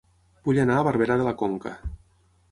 Vull anar a Barberà de la Conca